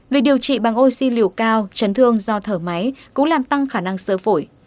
việc điều trị bằng oxy liều cao chấn thương do thở máy cũng làm tăng khả năng sơ phổi